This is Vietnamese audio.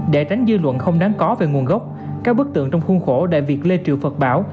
để tránh dư luận không đáng có về nguồn gốc các bức tượng trong khuôn khổ đại việt lê triều phật bảo